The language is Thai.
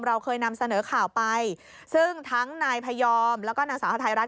เราเคยนำเสนอข่าวไปซึ่งทั้งนายพยอมแล้วก็นางสาวฮาไทยรัฐ